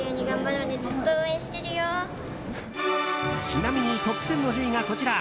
ちなみにトップ１０の順位がこちら。